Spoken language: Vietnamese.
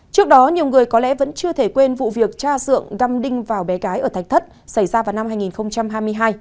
trước đó nhiều người có lẽ vẫn chưa thể quên vụ việc cha dượng găm đinh vào bé gái ở thạch thất xảy ra vào năm hai nghìn hai mươi hai